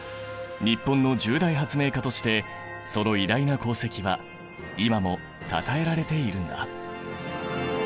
日本の十大発明家としてその偉大な功績は今もたたえられているんだ。